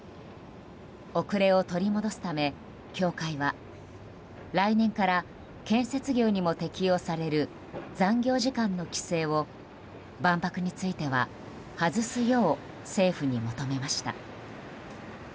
遅れを取り戻すため協会は、来年から建設業にも適用される残業時間の規制を万博については外すよう政府に求めました。